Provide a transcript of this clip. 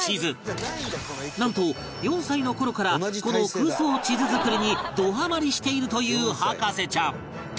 なんと４歳の頃からこの空想地図作りにどハマりしているという博士ちゃん